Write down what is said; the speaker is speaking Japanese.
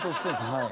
はい。